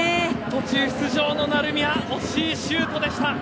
途中出場の成宮惜しいシュートでした。